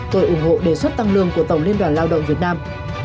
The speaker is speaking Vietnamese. tôi ủng hộ đề xuất tăng lương của tổng liên đoàn lao động việt nam